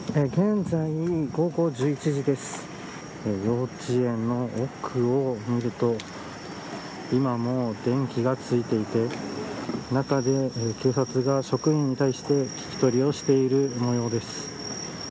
幼稚園の奥を見ると今も電気がついていて中で警察が職員に対して聞き取りをしている模様です。